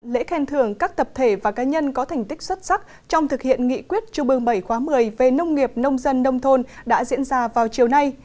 lễ khen thưởng các tập thể và cá nhân có thành tích xuất sắc trong thực hiện nghị quyết trung ương bảy khóa một mươi về nông nghiệp nông dân nông thôn đã diễn ra vào chiều nay